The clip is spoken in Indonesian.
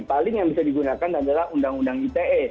paling yang bisa digunakan adalah undang undang ite